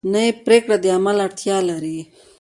نوې پریکړه د عمل اړتیا لري